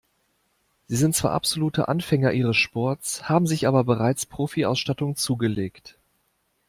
Sie sind zwar absolute Anfänger ihres Sports, haben sich aber bereits Profi-Ausstattung zugelegt.